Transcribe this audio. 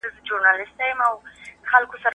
د واده په ورځو کي بايد کومو خبرو ته پام وسي؟